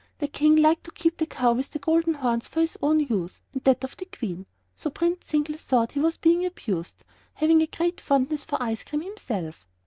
The King liked to keep the cow with the golden horns for his own use and that of the Queen; so Prince Zingle thought he was being abused, having a great fondness for ice cream himself.